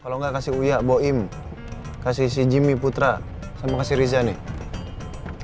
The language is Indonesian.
kalau gak kasih uya boim kasih si jimmy putra sama kasih rizal nih